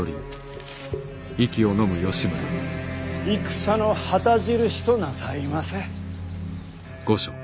戦の旗印となさいませ。